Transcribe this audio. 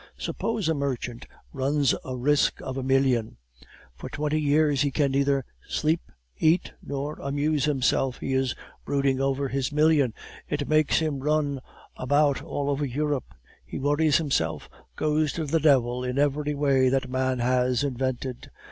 Suppose a merchant runs a risk of a million, for twenty years he can neither sleep, eat, nor amuse himself, he is brooding over his million, it makes him run about all over Europe; he worries himself, goes to the devil in every way that man has invented.